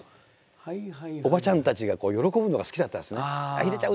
おばちゃんたちが喜ぶのが好きだったんですね。